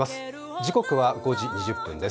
時刻は５時２０分です。